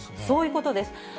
そういうことです。